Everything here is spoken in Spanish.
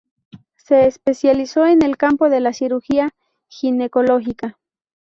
Se especializó en el campo de la cirugía ginecológica.